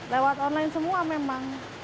lewat online semua memang